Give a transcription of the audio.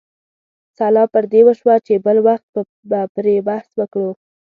سلا پر دې وشوه چې بل وخت به پرې بحث وکړو.